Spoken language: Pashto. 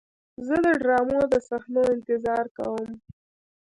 زه د ډرامو د صحنو انتظار کوم.